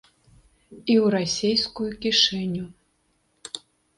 І ў расейскую кішэню.